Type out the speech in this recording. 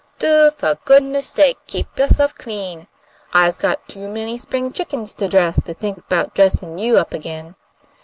"Do fo' goodness' sake keep yo'self clean. I'se got too many spring chickens to dress to think 'bout dressin' you up again."